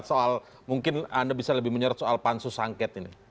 soal mungkin anda bisa lebih menyorot soal pansus angket ini